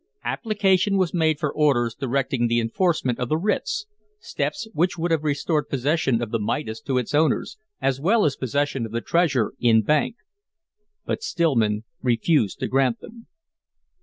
Application was made for orders directing the enforcement of the writs steps which would have restored possession of the Midas to its owners, as well as possession of the treasure in bank but Stillman refused to grant them.